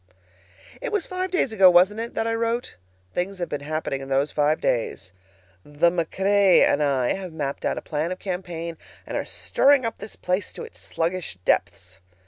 It was five days ago, wasn't it, that I wrote? Things have been happening in those five days. The MacRae and I have mapped out a plan of campaign, and are stirring up this place to its sluggish depths.